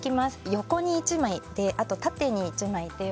横に１枚、縦に１枚です。